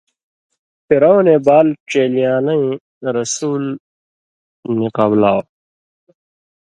فِرعونے بال ڇېلیان٘لَیں (رسُول) نی قبلاؤ،